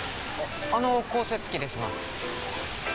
あの降雪機ですが。